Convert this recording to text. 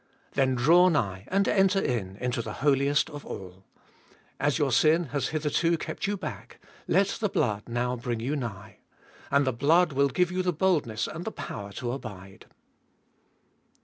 Then draw nigh, and enter in, Into the Holiest of All. As your sin has hitherto kept you bach, let the blood now bring you nigh. And the blood will give you the boldness and the power to abide.